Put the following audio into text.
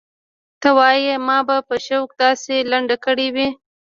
ته وايې ما به په شوق داسې لنډه کړې وي.